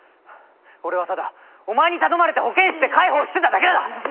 俺はただお前に頼まれて保健室で介抱してただけだ！